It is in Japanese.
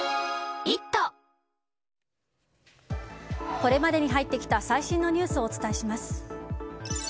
これまでに入ってきた最新ニュースをお伝えします。